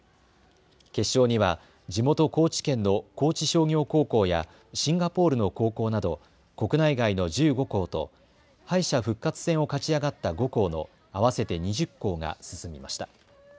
決勝には地元・高知県の高知商業高校やシンガポールの高校など国内外の１５校と敗者復活戦を勝ち上がった５校の合わせて２０校が進みました。